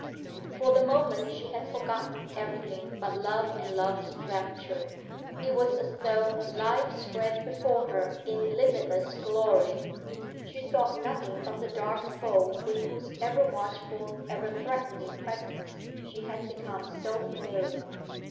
For the moment she had forgotten everything but love and love's rapture. It was as though life spread before her in limitless glory; she thought nothing of the dark foe with whose ever watchful, ever threatening presence she had become so familiar.